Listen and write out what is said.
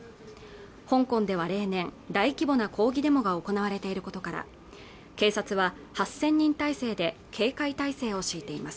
香港では例年大規模な抗議デモが行われていることから警察は８０００人態勢で警戒態勢を敷いています